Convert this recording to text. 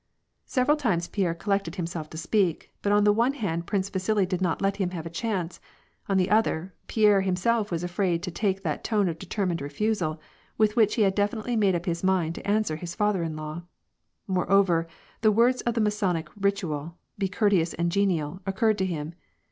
Several times Pierre collected himself to speak, but on the one hand Prince Vasili did not let him have a chance ; on the other, Pierre himself was afraid to take that tone of determined refusal, with which he had definitely made up his mind to answer his father in law. Moreover, the words of the Masonic ritual: '^Be courteous and genial," occurred to him.